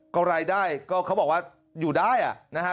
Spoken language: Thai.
ก็รายได้เขาบอกว่าอยู่ได้อ่ะ